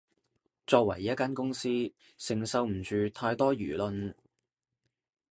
作為一間公司，承受唔住太多輿論